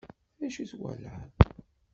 D acu i twalaḍ?